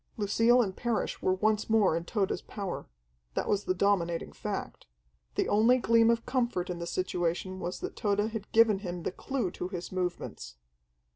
Lucille and Parrish were once more in Tode's power. That was the dominating fact. The only gleam of comfort in the situation was that Tode had given him the clue to his movements.